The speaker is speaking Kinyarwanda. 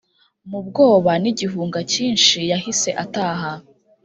mu bwoba nigihunga cyinshi yahise ataha.